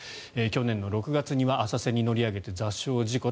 去年の６月には浅瀬に乗り上げて座礁事故。